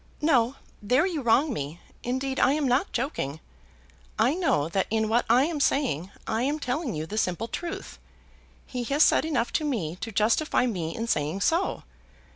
"No; there you wrong me. Indeed I am not joking. I know that in what I am saying I am telling you the simple truth. He has said enough to me to justify me in saying so.